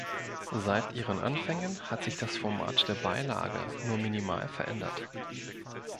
Seit ihren Anfängen hat sich das Format der Beilage nur minimal verändert.